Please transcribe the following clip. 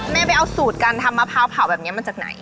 แม่ไปเอาสูตรการทำมะพร้าวเผาแบบนี้มาจากไหน